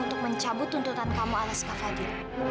untuk mencabut tuntutan kamu ala skafadil